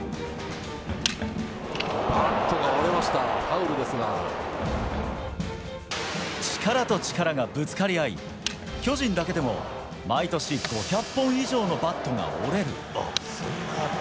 バットが折れました、ファウ力と力がぶつかり合い、巨人だけでも毎年、５００本以上のバットが折れる。